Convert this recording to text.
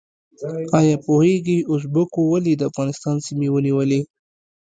ایا پوهیږئ ازبکو ولې د افغانستان سیمې ونیولې؟